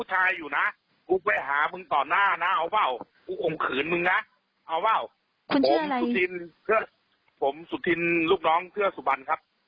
สุธินลูกน้องเทือกสุบันครับ